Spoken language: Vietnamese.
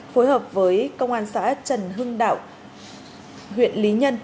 phối hợp với công an xã trần hưng đạo huyện lý nhân